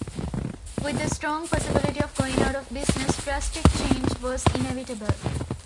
With the strong possibility of going out of business, drastic change was inevitable.